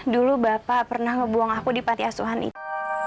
dulu bapak pernah ngebuang aku di pantiasuhan itu